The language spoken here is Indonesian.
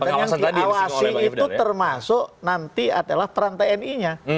pengawasan tadi yang diawasi itu termasuk nanti adalah perantai ni nya